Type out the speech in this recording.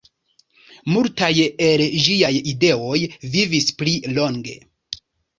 Multaj el ĝiaj ideoj vivis pli longe.